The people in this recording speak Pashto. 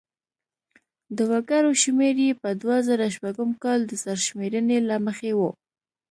د وګړو شمېر یې په دوه زره شپږم کال د سرشمېرنې له مخې و.